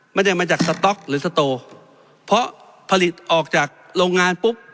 ไม่ได้มาจากสต๊อกหรือสโตเพราะผลิตออกจากโรงงานปุ๊บ